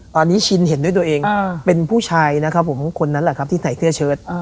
ตอนนี้ชินเห็นด้วยตัวเองเป็นผู้ชายนะครับผมคนนั้นแหละครับที่ใส่เสื้อเชิด